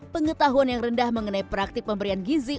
pengetahuan yang rendah mengenai praktik pemberian gizi